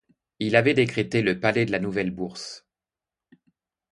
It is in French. Il avait décrété le palais de la nouvelle Bourse.